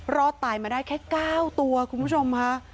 รอดตายมาได้แค่๙ตัวคุณผู้ชมค่ะ